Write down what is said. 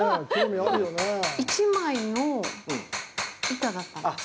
一枚の板だったんですか。